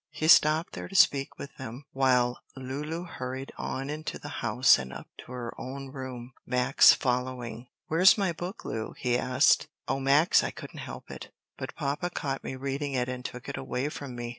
He stopped there to speak with them, while Lulu hurried on into the house and up to her own room, Max following. "Where's my book, Lu?" he asked. "O Max, I couldn't help it but papa caught me reading it and took it away from me.